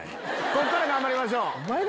こっから頑張りましょう。